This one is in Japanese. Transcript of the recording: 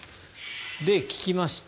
聞きました。